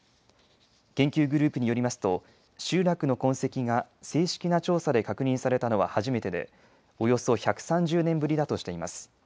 研究グループによりますと集落の痕跡が正式な調査で確認されたのは初めてでおよそ１３０年ぶりだとしています。